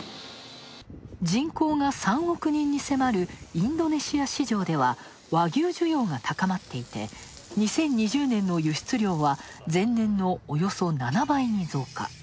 人口が３億人に迫るインドネシア市場では和牛需要が高まっていて２０２０年の輸出量は前年のおよそ７倍に増加。